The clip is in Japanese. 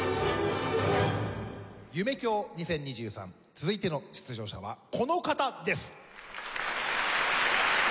続いての出場者はこの方です！